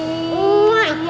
aigoo michelle mau kasih banget